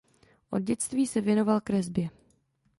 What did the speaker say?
Od dětství se věnoval kresbě.